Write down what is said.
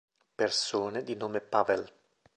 Persone di nome Paweł